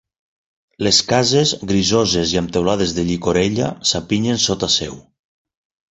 Les cases, grisoses i amb teulades de llicorella, s'apinyen sota seu.